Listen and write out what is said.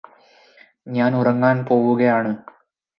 ഞാന് ഉറങ്ങാൻ പോവുകയാണ്